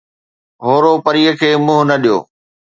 هورو پريءَ کي منهن نه ڏيو